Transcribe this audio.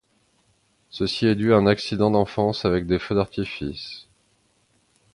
Ceci est dû à un accident d'enfance avec des feux d'artifices.